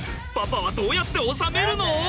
パパはどうやっておさめるの？